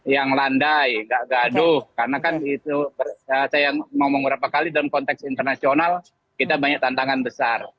yang landai nggak gaduh karena kan itu saya ngomong berapa kali dalam konteks internasional kita banyak tantangan besar